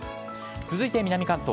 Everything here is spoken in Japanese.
続いて南関東。